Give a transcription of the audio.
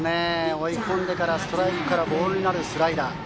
追い込んでからストライクからボールになるスライダー。